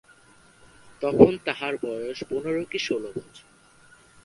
তখন তাঁহার বয়স পনের কি ষোল বছর।